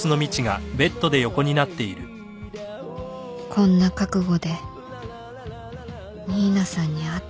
こんな覚悟で新名さんに会っていいのか